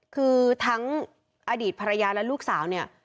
คือทั้งอดีตภรรยาและลูกสาวเนี่ย